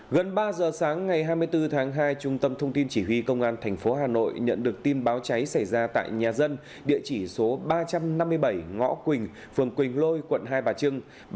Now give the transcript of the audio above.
gần ba giờ sáng ngày hai mươi bốn tháng hai trung tâm thông tin chỉ huy công an tp hà nội nhận được tin báo cháy xảy ra tại nhà dân địa chỉ số ba trăm năm mươi bảy ngõ quỳnh phường quỳnh lôi quận hai bà trưng